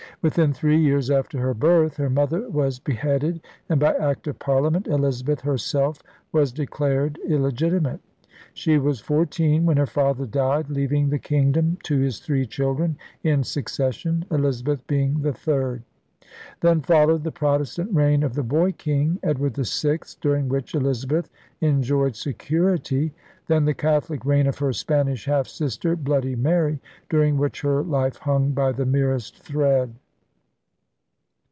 Within three years after her birth her mother was beheaded; and by Act of Parliament Elizabeth herself was declared illegitimate. She was four teen when her father died, leaving the kingdom to his three children in succession, Elizabeth being the third. Then followed the Protestant reign of the boy king Edward VI, during which Elizabeth enjoyed security; then the Catholic reign of her Spanish half sister, 'Bloody Mary,' during which her life hung by the merest thread.